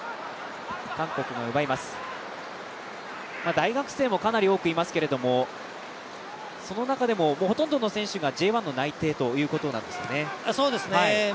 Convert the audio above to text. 大学生もかなり多くいますけれども、その中でもほとんどの選手がＪ１の内定ということなんですよね。